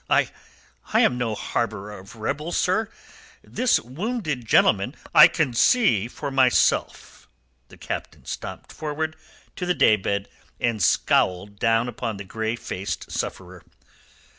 "I... I am no harbourer of rebels, sir. This wounded gentleman...." "I can see for myself." The Captain stamped forward to the day bed, and scowled down upon the grey faced sufferer.